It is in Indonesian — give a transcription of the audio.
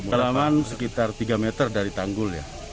kelaman sekitar tiga meter dari tanggul ya